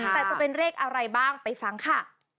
แต่จะเป็นเลขอะไรบ้างไปฟังค่ะ